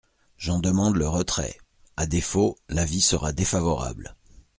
J’en demande le retrait ; à défaut, l’avis sera défavorable.